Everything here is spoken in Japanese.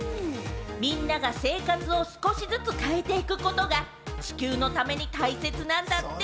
みんなが生活を少しずつ変えていくことが地球のために大切なんだって！